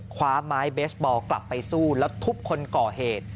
คว้าไม้เบสบอลกลับไปสู้แล้วทุบคนก่อเหตุ